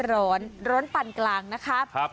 ร้อนปั่นกลางนะครับ